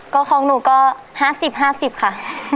ก็ของหนูก็๕๐๕๐ค่ะ